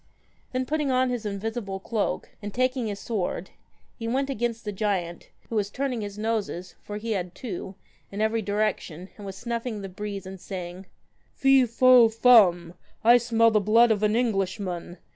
Then, putting on his invisible cloak, and taking his sword, he went against the giant, who was turning his noses for he had two in every direction, and was snuffing the breeze and saying * Fee fo fum, I smell the blood of an Englishman.